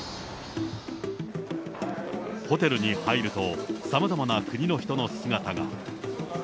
ホテルに入ると、さまざまな国の人の姿が。